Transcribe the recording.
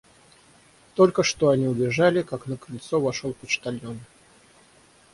Только что они убежали, как на крыльцо вошел почтальон.